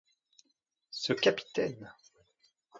Ce capitaine!